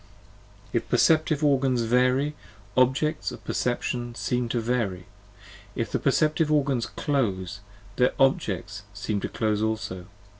55 If Perceptive Organs vary: Objects of Perception seem to vary: If the Perceptive Organs close : their Objects seem to close also.